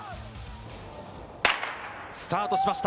スタートしました。